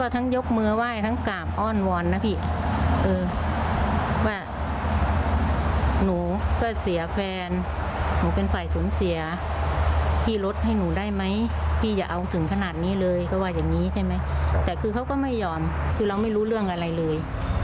ถึงขนาดนี้เลยก็ว่าอย่างนี้ใช่ไหมแต่คือเขาก็ไม่ยอมคือเราไม่รู้เรื่องอะไรเลย